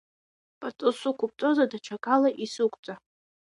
Пату сықәбҵозар даҽакала исықәҵа!